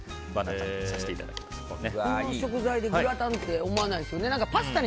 この食材でグラタンって思わないですよね。